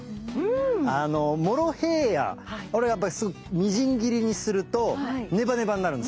これやっぱりみじん切りにするとネバネバになるんですよ。